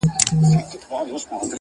بلکي پدې درېيمه فضا کي